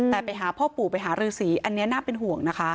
แต่ไปหาพ่อปู่ไปหารือสีอันนี้น่าเป็นห่วงนะคะ